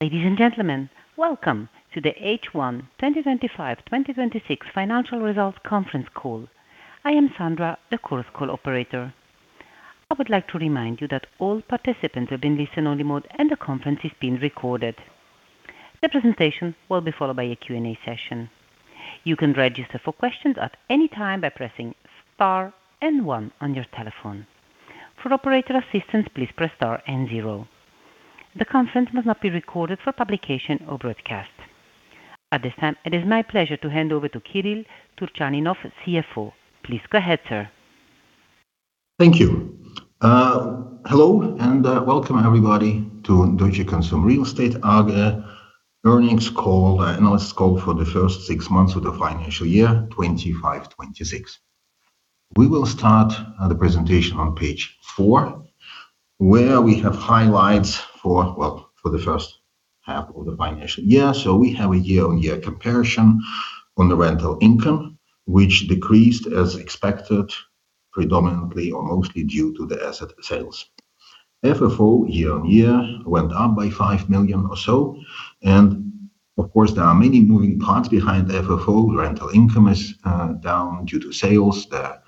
Ladies and gentlemen, welcome to the H1 2025/2026 financial results conference call. I am Sandra, the Chorus Call operator. I would like to remind you that all participants have been listen-only mode, and the conference is being recorded. The presentation will be followed by a Q&A session. You can register for questions at any time by pressing Star and One on your telephone. For operator assistance, please press Star and Zero. The conference must not be recorded for publication or broadcast. At this time, it is my pleasure to hand over to Kyrill Turchaninov, CFO. Please go ahead, sir. Thank you. Hello and welcome everybody to Deutsche Konsum Real Estate AG earnings call, analyst call for the first six months of the financial year 2025, 2026. We will start the presentation on page four, where we have highlights for, well, for the first half of the financial year. We have a year-on-year comparison on the rental income, which decreased as expected, predominantly or mostly due to the asset sales. FFO year-on-year went up by 5 million or so. Of course, there are many moving parts behind FFO. Rental income is down due to sales. The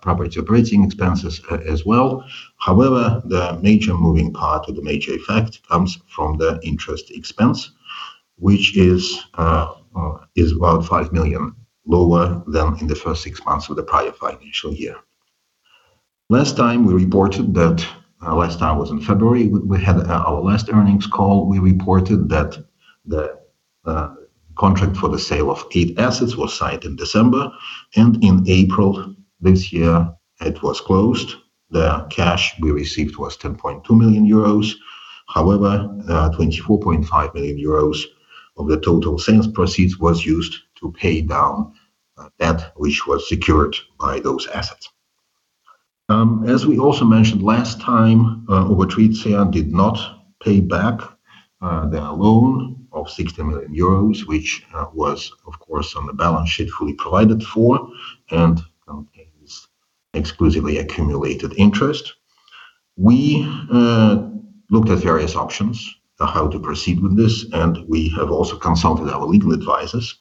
property operating expenses as well. However, the major moving part or the major effect comes from the interest expense, which is about 5 million lower than in the first six months of the prior financial year. Last time we reported, last time was in February. We had our last earnings call. We reported that the contract for the sale of eight assets was signed in December, and in April this year, it was closed. The cash we received was 10.2 million euros. However 24.5 million euros of the total sales proceeds was used to pay down debt, which was secured by those assets. We also mentioned last time, Obotritia did not pay back their loan of 60 million euros, which was of course on the balance sheet fully provided for and is exclusively accumulated interest. We looked at various options on how to proceed with this, and we have also consulted our legal advisors.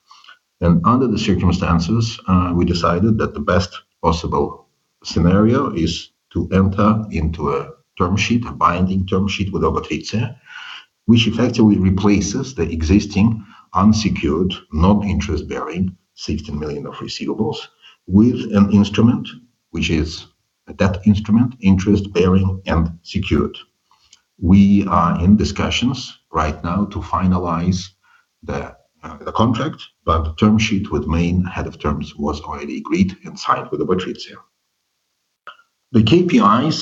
Under the circumstances, we decided that the best possible scenario is to enter into a term sheet, a binding term sheet with Obotritia, which effectively replaces the existing unsecured, non-interest bearing 60 million of receivables with an instrument which is a debt instrument, interest bearing and secured. We are in discussions right now to finalize the contract, but the term sheet with main head of terms was already agreed and signed with Obotritia. The KPIs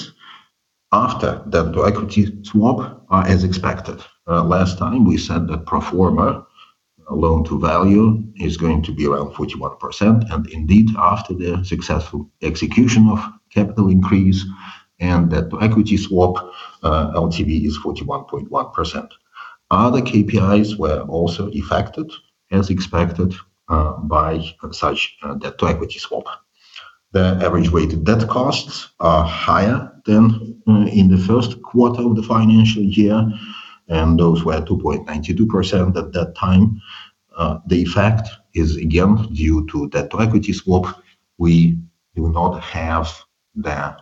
after debt-to-equity swap are as expected. Last time we said that pro forma loan to value is going to be around 41%. Indeed, after the successful execution of capital increase and the debt-to-equity swap, LTV is 41.1%. Other KPIs were also affected as expected by such debt-to-equity swap. The average weighted debt costs are higher than in the first quarter of the financial year. Those were 2.92% at that time. The effect is again due to debt-to-equity swap. We do not have the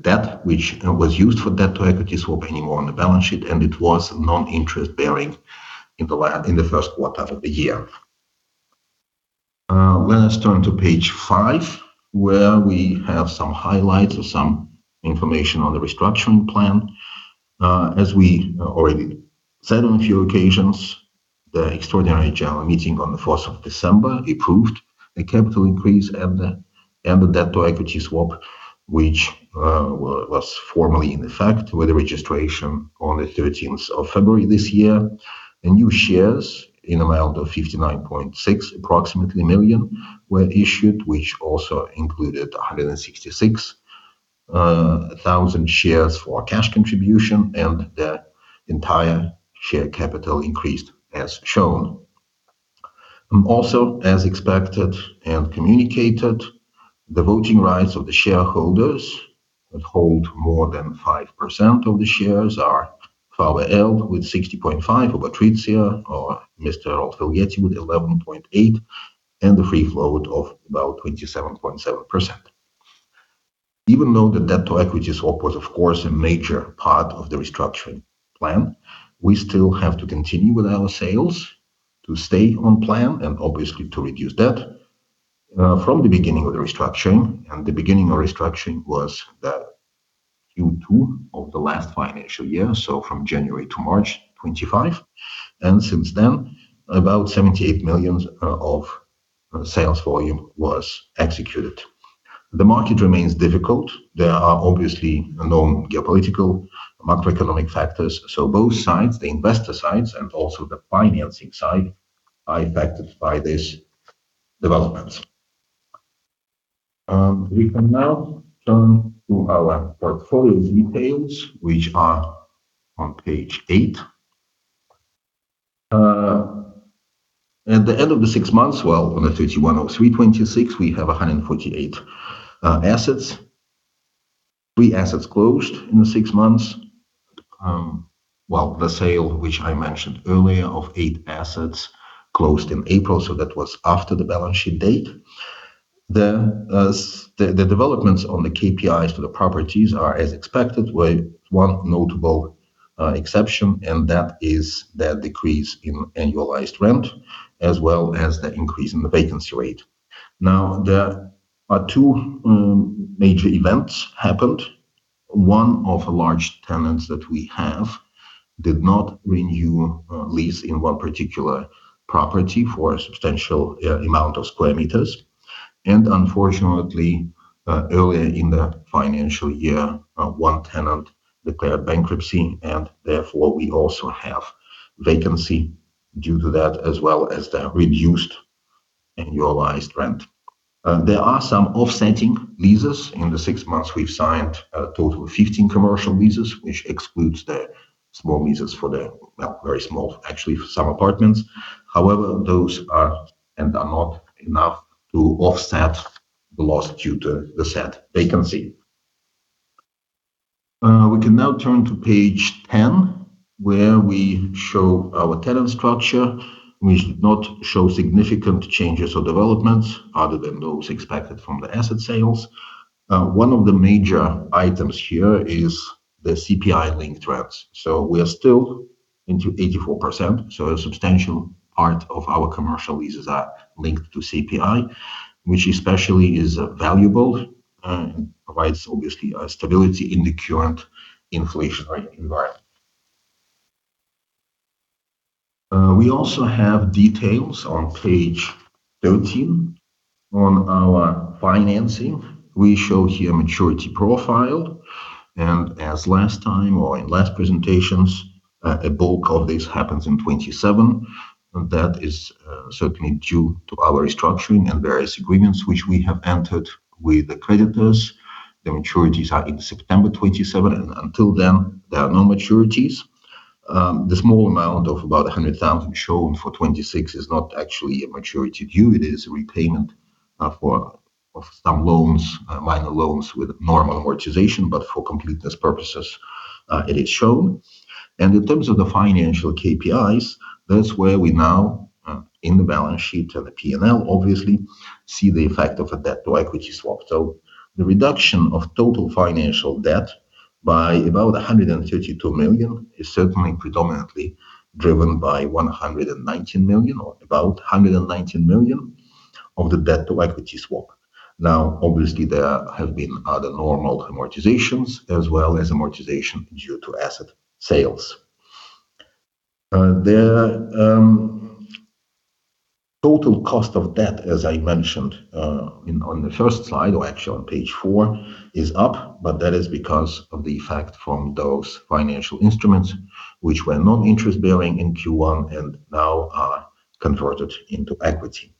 debt which was used for debt-to-equity swap anymore on the balance sheet. It was non-interest bearing in the first quarter of the year. Let us turn to page five, where we have some highlights or some information on the restructuring plan. As we already said on a few occasions, the extraordinary general meeting on the 4th of December approved a capital increase and the debt-to-equity swap, which was formally in effect with the registration on the 13th of February this year. The new shares in amount of 59.6 million were issued, which also included 166,000 shares for cash contribution, and the entire share capital increased as shown. As expected and communicated, the voting rights of the shareholders that hold more than 5% of the shares are Faberellé with 60.5%, Obotritia or Mr. Rolf Elgeti with 11.8%, and the free float of about 27.7%. Even though the debt-to-equity swap was of course a major part of the restructuring plan, we still have to continue with our sales to stay on plan and obviously to reduce debt. From the beginning of the restructuring, and the beginning of restructuring was the Q2 of the last financial year, so from January to March 2025. Since then, about 78 million of sales volume was executed. The market remains difficult. There are obviously known geopolitical macroeconomic factors. Both sides, the investor sides and also the financing side, are affected by this developments. We can now turn to our portfolio details, which are on page eight. At the end of the six months, on the 31 of March 2026, we have 148 assets. Three assets closed in the six months. The sale, which I mentioned earlier, of eight assets closed in April, so that was after the balance sheet date. The, the developments on the KPIs to the properties are as expected, with one notable exception, and that is the decrease in annualized rent, as well as the increase in the vacancy rate. Now, there are two major events happened. One of the large tenants that we have did not renew a lease in one particular property for a substantial amount of square meters. Unfortunately, earlier in the financial year, one tenant declared bankruptcy, and therefore we also have vacancy due to that, as well as the reduced annualized rent. There are some offsetting leases. In the six months, we've signed a total of 15 commercial leases, which excludes the small leases for the, well, very small, actually, some apartments. However, those are and are not enough to offset the loss due to the said vacancy. We can now turn to page 10, where we show our tenant structure, which did not show significant changes or developments other than those expected from the asset sales. One of the major items here is the CPI-linked rents. We are still into 84%, so a substantial part of our commercial leases are linked to CPI, which especially is valuable and provides obviously stability in the current inflationary environment. We also have details on page 13 on our financing. We show here maturity profile, and as last time or in last presentations, a bulk of this happens in 2027. That is certainly due to our restructuring and various agreements which we have entered with the creditors. The maturities are in September 2027, and until then, there are no maturities. The small amount of about 100,000 shown for 2026 is not actually a maturity due. It is a repayment of some loans, minor loans with normal amortization, but for completeness purposes, it is shown. In terms of the financial KPIs, that's where we now, in the balance sheet and the P&L obviously, see the effect of a debt-to-equity swap. The reduction of total financial debt by about 132 million is certainly predominantly driven by 119 million or about 119 million of the debt-to-equity swap. Obviously, there have been other normal amortizations as well as amortization due to asset sales. The total cost of debt, as I mentioned, on the first slide or actually on page four, is up, but that is because of the effect from those financial instruments, which were non-interest bearing in Q1 and now are converted into equity.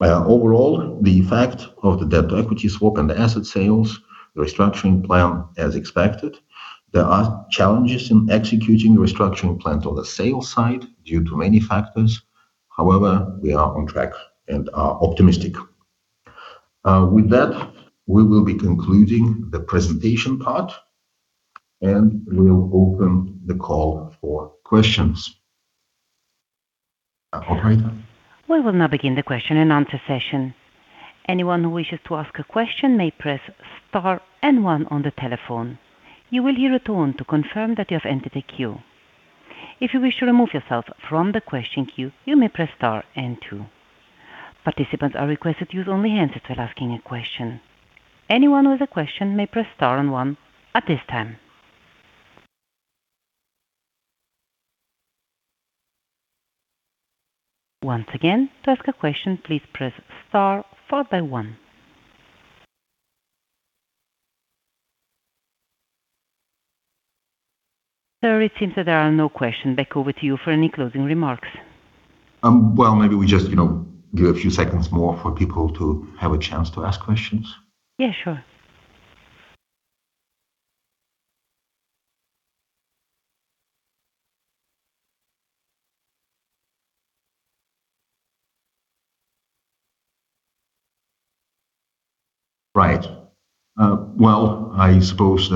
Overall, the effect of the debt-to-equity swap and the asset sales, the restructuring plan as expected. There are challenges in executing the restructuring plan on the sales side due to many factors. However, we are on track and are optimistic. With that, we will be concluding the presentation part, and we'll open the call for questions. Operator? We will now begin the question and answer session. Anyone who wishes to ask a question may press star and one on the telephone. You will hear a tone to confirm that you have entered the queue. If you wish to remove yourself from the question queue, you may press star and two. Participants are requested to use only hands while asking a question. Anyone who has a question may press star and one at this time. Once again, to ask a question, please press star followed by one. Sir, it seems that there are no questions. Back over to you for any closing remarks. Well, maybe we just, you know, give a few seconds more for people to have a chance to ask questions. Yeah, sure. Right. Well, I suppose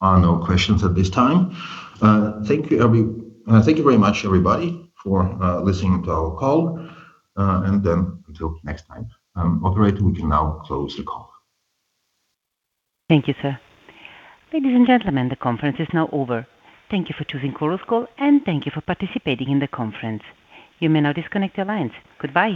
there are no questions at this time. Thank you very much, everybody, for listening to our call, and then until next time. Operator, we can now close the call. Thank you, sir. Ladies and gentlemen, the conference is now over. Thank you for choosing Chorus Call, and thank you for participating in the conference. You may now disconnect your lines. Goodbye.